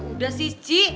ya udah sih ci